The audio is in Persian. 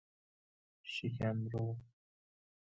شکم رو